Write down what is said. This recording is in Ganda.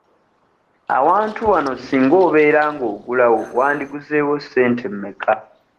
Awantu wano singa obeera nga ogulawo wandiguzeewo ssente mmeka?